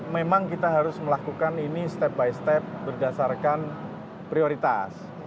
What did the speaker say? memang kita harus melakukan ini step by step berdasarkan prioritas